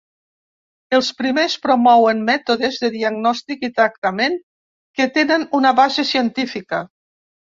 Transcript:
Els primers promouen mètodes de diagnòstic i tractament que tenen una base científica.